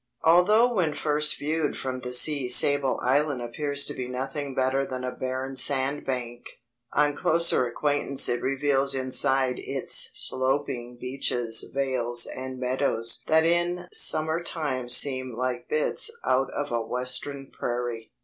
Although when first viewed from the sea Sable Island appears to be nothing better than a barren sand bank, on closer acquaintance it reveals inside its sloping beaches vales and meadows that in summer time seem like bits out of a Western prairie.